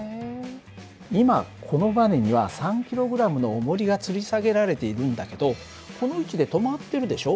今このばねには３ｋｇのおもりがつり下げられているんだけどこの位置で止まってるでしょ。